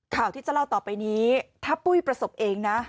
ข่าวที่จะเล่าต่อไปนี้ถ้าปุ้ยประสบเองนะ